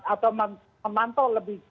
atau memantau lebih